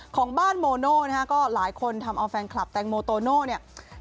ของบ้านโมโนภาคินนะครับก็หลายคนทำเอาแฟนคลับแตงโมโตโนภาคินเนี่ย